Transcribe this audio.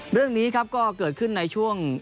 เรื่องนี้ครับก็เกิดขึ้นในช่วง